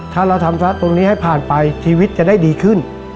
ถ้าเราทำตรงนี้ให้ผ่านไปชีวิตจะได้ดีขึ้น